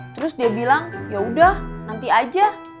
terus dia bilang yaudah nanti aja